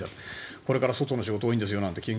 これから外の仕事が多いんですよなんて。